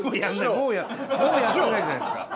もうやってないじゃないですか。